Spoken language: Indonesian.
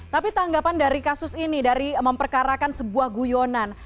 tapi tanggapan dari kasus ini dari memperkarakan sebuah guyonan